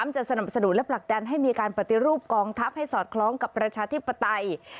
จะสนับสนุนและผลักดันให้มีการปฏิรูปกองทัพให้สอดคล้องกับประชาธิปไตย